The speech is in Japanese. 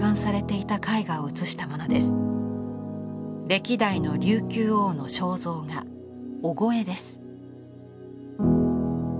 歴代の琉球王の肖像画「御後絵」です。